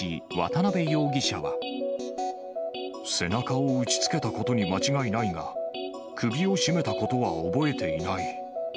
背中を打ちつけたことに間違いないが、首を絞めたことは覚えていない。